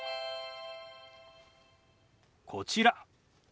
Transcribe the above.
こちら。